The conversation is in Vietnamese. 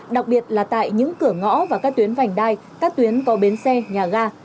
đặc biệt là tại những cửa ngõ và các tuyến vành đai các tuyến có bến xe nhà ga